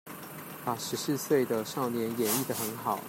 把十四歲的少年演繹的很好